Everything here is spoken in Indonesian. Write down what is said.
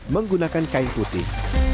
menggunakan kain putih